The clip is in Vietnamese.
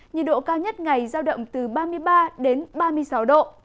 nhiệt độ cao nhất ngày giao động từ ba mươi ba đến ba mươi sáu độ